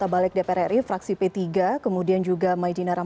sudah kami ajukan